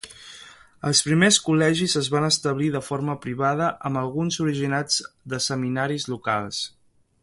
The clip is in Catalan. Els primers col·legis es van establir de forma privada, amb alguns originats de seminaris locals.